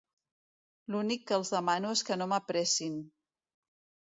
L'únic que els demano és que no m'apressin.